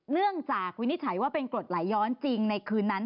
เนื่องจากวินิจฉัยว่าเป็นกรดไหลย้อนจริงในคืนนั้น